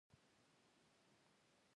خلک د سیند د یخ ماتیدو په وخت شرط لګوي